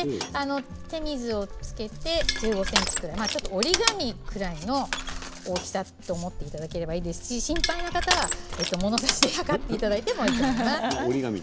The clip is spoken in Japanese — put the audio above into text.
手水をつけて１５ｃｍくらいの折り紙くらいの大きさと思っていただければいいですし心配な方は、物差しで測っていただいてもいいと思います。